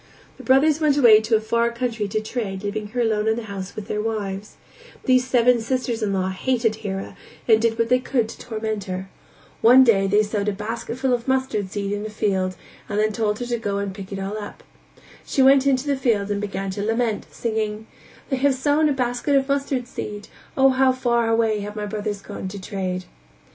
The brothers went away to a far country to trade leaving her alone in the house with their wives; these seven sisters in law hated Hira and did what they could to torment her; one day they sowed a basketful of mustard seed in a field and then told her to go and pick it all up; she went to the field and began to lament, singing: "They have sown a basket of mustard seed! Oh, how far away have my brothers gone to trade."